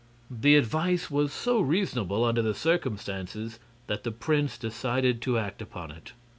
The advice was so reasonable, under the circumstances, that the prince decided to act upon it.